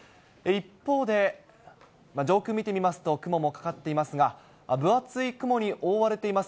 一方で、上空見てみますと、雲もかかっていますが、分厚い雲に覆われています。